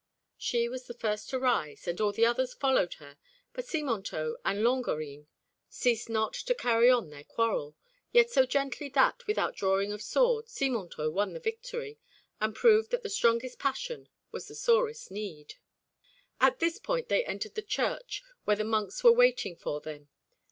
She was the first to rise, and all the others followed her, but Simontault and Longarine ceased not to carry on their quarrel, yet so gently that, without drawing of sword, Simontault won the victory, and proved that the strongest passion was the sorest need. At this point they entered the church, where the monks were waiting for them.